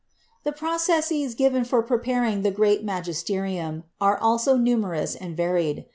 5® CHEMISTRY The processes given for preparing the "Great Magis terium" are also numerous and varied.